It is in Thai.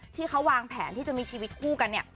ที่เขาวางแผนที่จะมีชีวิตคู่กันเนี่ย